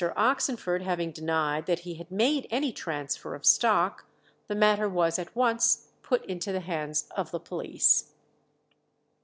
Oxenford having denied that he had made any transfer of stock, the matter was at once put into the hands of the police.